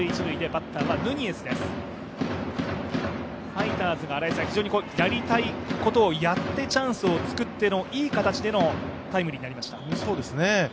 ファイターズがやりたいことをやってチャンスを作ってのいい形でのタイムリーになりました。